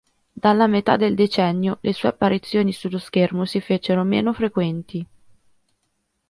Dalla metà del decennio le sue apparizioni sullo schermo si fecero meno frequenti.